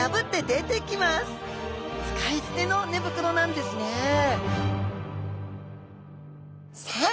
使い捨ての寝袋なんですねさあ